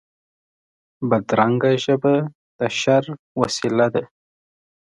بدرنګه ژبه د شر وسیله ده